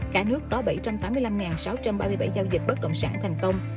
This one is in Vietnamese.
cả nước có bảy trăm tám mươi năm sáu trăm ba mươi bảy giao dịch bất động sản thành công